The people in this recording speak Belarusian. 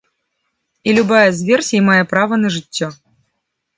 І любая з версій мае права на жыццё.